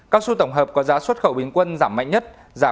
cao su tổng hợp có giá xuất khẩu bình quân giảm mạnh nhất